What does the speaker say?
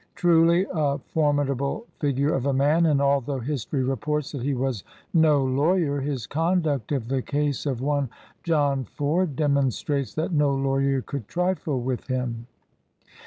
Truly a formidable figure of a man, and although history reports that he was "no lawyer," his conduct of the case of one John Ford demonstrates that no lawyer could trifle with him.